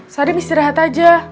sadam istirahat aja